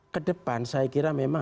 kedepan saya kira memang